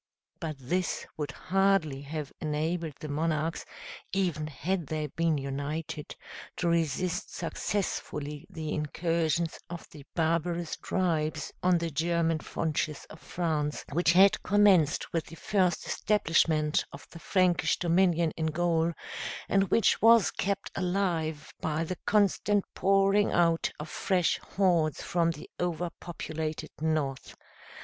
But this would hardly have enabled the monarchs, even had they been united, to resist successfully the incursions of the barbarous tribes on the German frontiers of France, which had commenced with the first establishment of the Frankish dominion in Gaul; and which was kept alive by the constant pouring out of fresh hordes from the overpopulated North.